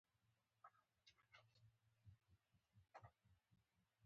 د فراه په خاک سفید کې د وسپنې نښې شته.